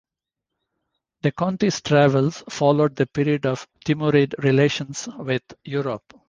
De' Conti's travels followed the period of Timurid relations with Europe.